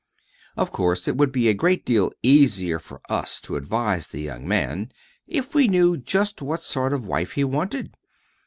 Of course, it would be a great deal easier for us to advise the young man if we knew just what sort of a wife he wanted.